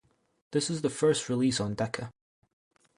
This is the first release on Decca.